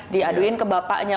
diaduin ke bapaknya